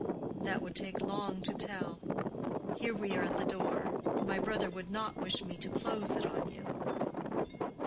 "That would take long to tell. Here we are at the door. My brother would not wish me to close it on you."